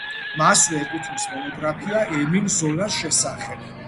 მასვე ეკუთვნის მონოგრაფია ემილ ზოლას შესახებ.